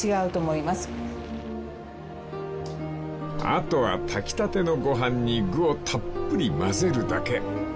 ［あとは炊きたてのご飯に具をたっぷりまぜるだけ］